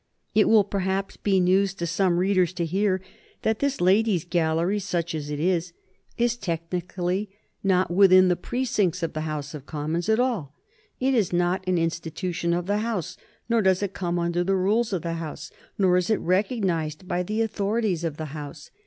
It will perhaps be news to some readers to hear that this ladies' gallery, such as it is, is technically not within the precincts of the House of Commons at all. It is not an institution of the House, nor does it come under the rules of the House, nor is it recognized by the authorities of the House.